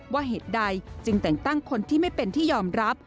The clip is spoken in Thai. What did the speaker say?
เหตุใดจึงแต่งตั้งคนที่ไม่เป็นที่ยอมรับ